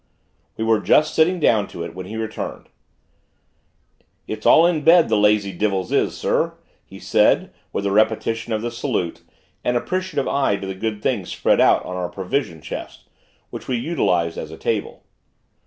We were just sitting down to it, when he returned. "It's all in bed the lazy divvils is, sor," he said, with a repetition of the salute, and an appreciative eye to the good things spread out on our provision chest, which we utilized as a table.